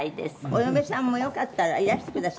「お嫁さんもよかったらいらしてください」